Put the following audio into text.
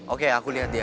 oke aku lihat dia